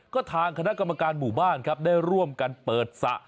ก็ทางคณะกรรมการหมู่บ้านครับได้ร่วมกันเปิดสระ